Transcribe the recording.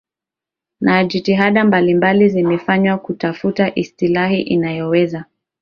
na jitihada mbalimbali zimefanywa kutafuta istilahi inayoweza